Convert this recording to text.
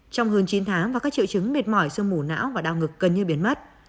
trong hơn chín tháng và các triệu chứng mệt mỏi sương mù não và đau ngực gần như biến mất